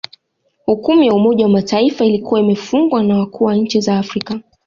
Hukumu ya Umoja wa Mataifa ilikuwa imefungwa na wakuu wa nchi za Afrika